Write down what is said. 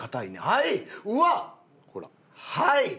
はい。